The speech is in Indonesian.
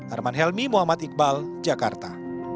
arman helmi muhammad iqbal jakarta